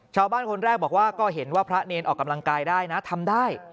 ชาวบ้านคนแรกบอกว่าก็เห็นว่าพระเนรออกกำลังกายได้นะทำได้